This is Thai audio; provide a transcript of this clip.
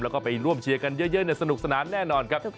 แล้วก็ไปร่วมเชียร์กันเยอะสนุกสนานแน่นอนครับ